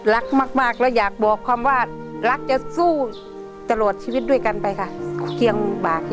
รักมากแล้วอยากบอกความว่ารักจะสู้จะรวดชีวิตด้วยกันไปค่ะเกี้ยงบากอย่างไร